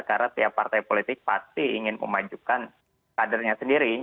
karena setiap partai politik pasti ingin memajukan kadernya sendiri